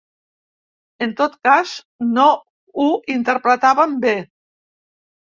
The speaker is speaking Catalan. En tot cas no ho interpretàvem bé.